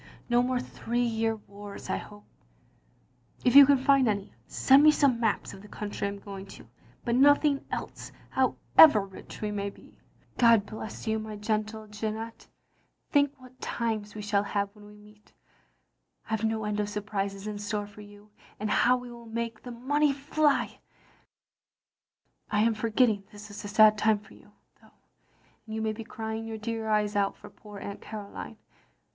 No more three year wars, I hope. If you can find any, send me some maps of the country I'm going to, but nothing else, however rich we may be I OP GROSVENOR SQUARE 135 *'God bless you, my gentle Jeannette; think what times we shall have when we m£et, I've no end of surprises in store for you, and how we will make the money Hy I ... I am forgetting this is a sad time for you, though, and you may be crying your dear eyes out for poor Aunt Caroline.